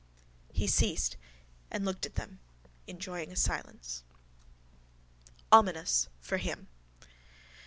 _ He ceased and looked at them, enjoying a silence. OMINOUS—FOR HIM!